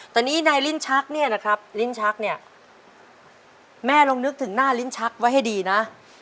แต่นี่ในลิ้นชักเนี่ยนะครับลิ้นชักเนี่ยแม่ลองนึกถึงหน้าลิ้นชักไว้ให้ดีนะ